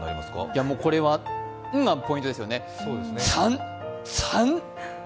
いや、もうこれは、「ん」がポイントですよね。